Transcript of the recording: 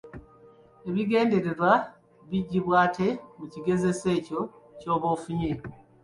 Ebigendererwa biggibwa ate mu kigezeso ekyo ky’oba ofunye.